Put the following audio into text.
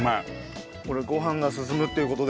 これご飯が進むっていう事で。